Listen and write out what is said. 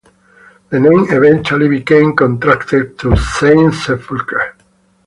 The name eventually became contracted to Saint Sepulchre.